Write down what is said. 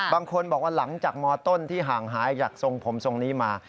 บางคนบอกว่าหลังจากมต้นที่ห่างหายจากทรงผมทรงนี้มา